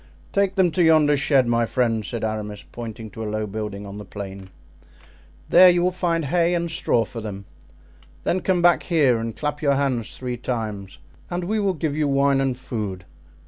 "Take them to yonder shed, my friend," said Aramis, pointing to a low building on the plain; "there you will find hay and straw for them; then come back here and clap your hands three times, and we will give you wine and food.